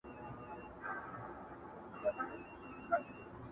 سړیتوب کي بس دولت ورته مِعیار دی،